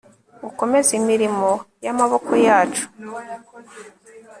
ukomeze imirimo y'amaboko yacu